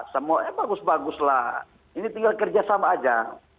semuanya bagus baguslah ini tinggal kerja sama saja